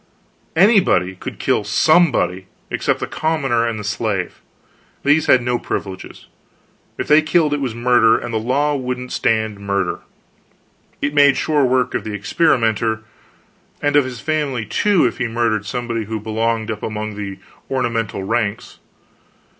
_Any_body could kill _some_body, except the commoner and the slave; these had no privileges. If they killed, it was murder, and the law wouldn't stand murder. It made short work of the experimenter and of his family, too, if he murdered somebody who belonged up among the ornamental ranks.